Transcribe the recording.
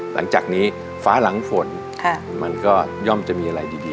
หลังจากนี้ฟ้าหลังฝนมันก็ย่อมจะมีอะไรดี